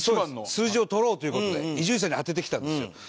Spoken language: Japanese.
数字を取ろうという事で伊集院さんにあててきたんですよ。